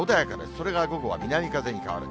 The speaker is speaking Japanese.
それが午後は南風に変わる。